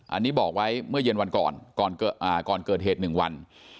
อันนี้บอกไว้เมื่อเย็นวันก่อนก่อนเกิดเหตุ๑วัน